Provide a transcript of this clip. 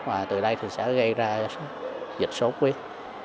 và từ đây thì sẽ gây ra dịch sốt huyết